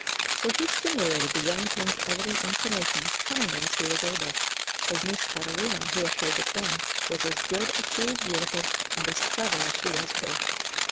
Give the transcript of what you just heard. So he stimulated the young king's evident inclination as cunningly as he was able. His niece Catarina, he assured the king, was as good as she was beautiful, and as clever as she was both.